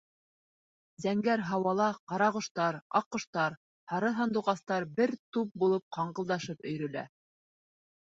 Зәңгәр һауала ҡарағоштар, аҡҡоштар, һары һандуғастар бер туп булып ҡаңғылдашып өйрөлә.